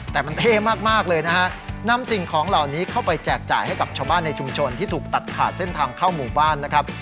แต่มันเท่มากเลยนะฮะนำสิ่งของเหล่านี้เข้าไปแจกจ่ายให้กับชาวบ้านในชุมชนที่ถูกตัดขาดเส้นทางเข้าหมู่บ้านนะครับ